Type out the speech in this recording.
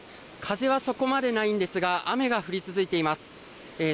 風はあまりないですが雨が降り続いています。